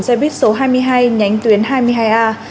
xe buýt số hai mươi hai nhánh tuyến hai mươi hai a